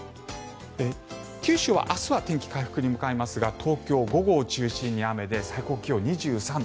九州は明日は天気、回復に向かいますが東京は午後を中心に雨で最高気温２３度。